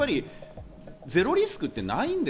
ゼロリスクってない。